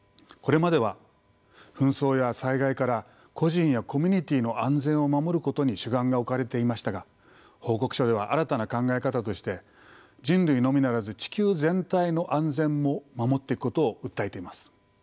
これまでは紛争や災害から個人やコミュニティーの安全を守ることに主眼が置かれていましたが報告書では新たな考え方として人類のみならず地球全体の安全も守っていくことを訴えています。